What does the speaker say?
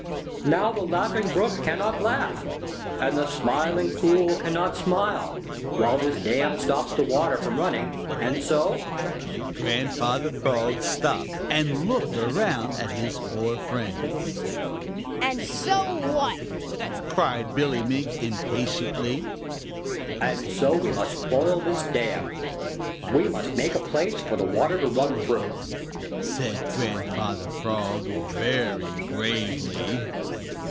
Now the Laughing Brook cannot laugh, and the Smiling Pool cannot smile, while this dam stops the water from running, and so " Grandfather Frog stopped and looked around at his four friends. "And so what?" cried Billy Mink impatiently. "And so we must spoil this dam. We must make a place for the water to run through," said Grandfather Frog very gravely.